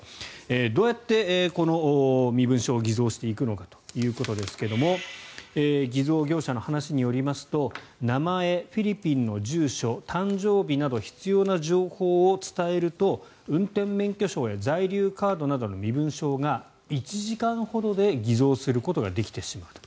どうやってこの身分証を偽造していくのかということですが偽造業者の話によりますと名前、フィリピンの住所誕生日など必要な情報を伝えると運転免許証や在留カードなどの身分証が１時間ほどで偽造することができてしまうと。